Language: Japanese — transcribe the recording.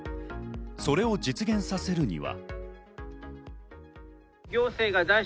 それを実現させるには。